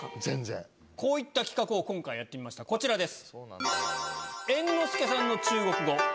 こういった企画を今回やってみましたこちらです。